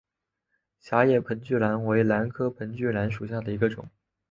狭叶盆距兰为兰科盆距兰属下的一个种。